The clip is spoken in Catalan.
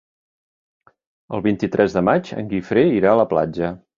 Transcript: El vint-i-tres de maig en Guifré irà a la platja.